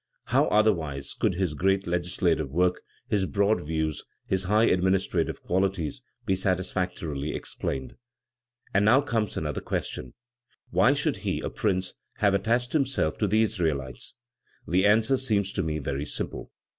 How otherwise could his great legislative work, his broad views, his high administrative qualities be satisfactorily explained? And now comes another question: Why should he, a prince, have attached himself to the Israelites? The answer seems to me very simple.